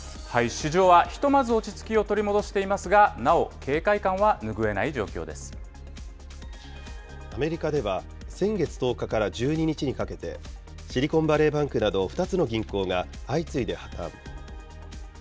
市場はひとまず落ち着きを取り戻していますが、なお警戒感はアメリカでは、先月１０日から１２日にかけて、シリコンバレーバンクなど２つの銀行が相次いで破綻。